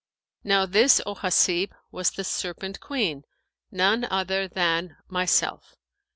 Now this, O Hasib, was the Serpent queen, none other than myself."